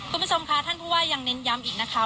คุณผู้ชมค่ะท่านผู้ว่ายังเน้นย้ำอีกนะคะ